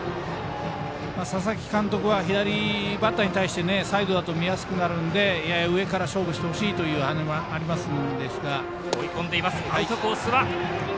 佐々木監督は左バッターに対してサイドだと見やすくなるのでやや上から勝負してほしいというのもあるんですが。